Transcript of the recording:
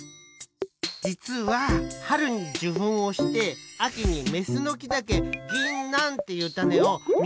じつははるにじゅふんをしてあきにメスのきだけぎんなんっていうタネをみのらせるんす。